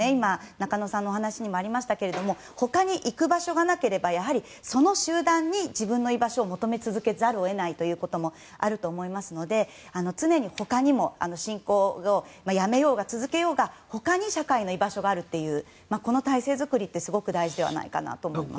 中野さんのお話にもありましたけれども他に行く場所がなければその集団に自分の居場所を求めざるを得ないことがあると思いますので常に他にも信仰をやめようが続けようが他に社会の居場所があるという体制作りがすごく重要ではないかと思います。